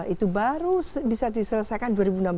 itu baru bisa diselesaikan dua ribu enam belas